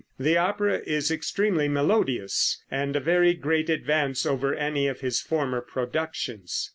The opera is extremely melodious, and a very great advance over any of his former productions.